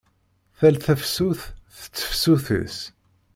Tal tafsut, s tefsut-is.